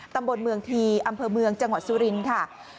ตำบลเมืองทีอำเภอเมืองจังหวัดสุรินทร์ค่ะ